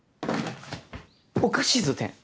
おかしいぞてん。